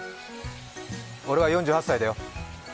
俺は４８歳だよ。